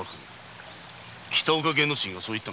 北岡源之進がそう言ったのか？